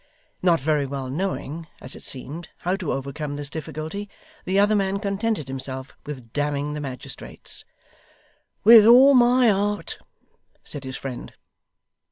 Not very well knowing, as it seemed, how to overcome this difficulty, the other man contented himself with damning the magistrates. 'With all my heart,' said his friend.